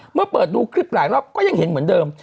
เมื่อเปิดดูคลิปหลายรอบก็ยังเห็นเหมือนเดิม